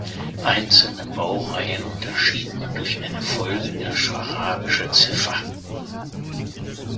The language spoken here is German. Einzelne Baureihen unterschied man durch eine folgende arabische Ziffer.